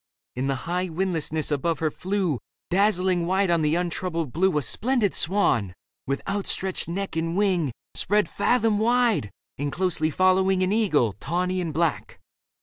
In the high windlessness above her flew, Dazzlingly white on the untroubled blue, A splendid swan, with outstretched neck and wing Spread fathom wide, and closely following An eagle, tawny and black.